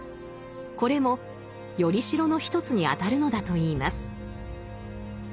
これも依代の一つにあたるのだといいます。